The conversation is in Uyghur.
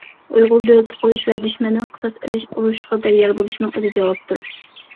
ئۇيغۇر دۆلىتى قۇرۇش ۋە دۈشمەندىن قىساس ئېلىش ئۇرۇشىغا تەييار بولۇشنىڭ ئۆزى جاۋابتۇر.